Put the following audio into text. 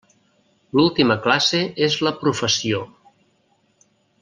L'última classe és la Professió.